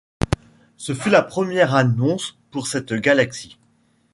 Ce fut la première annonce pour cette galaxie.